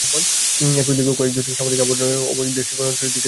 এরফলে দীর্ঘ কয়েক দশক সামরিক আইনের অবসান ঘটিয়ে দেশটি গণতন্ত্রের দিকে ধাবিত হবে।